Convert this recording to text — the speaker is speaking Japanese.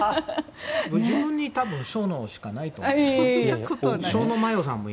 自分に多分、小脳しかないと思う。